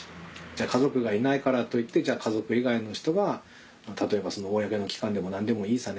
じゃあ家族がいないからといってじゃあ家族以外の人が例えば公の機関でも何でもいいさ